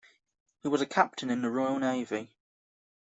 He was a captain in the Royal Navy.